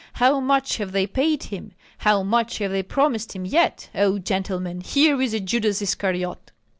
How much have they paid him? How much have they promised him yet? Oh, gentlemen, here is a Judas Iscariot.